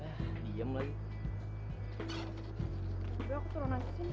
ah diem lagi